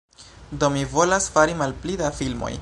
Do mi volas fari malpli da filmoj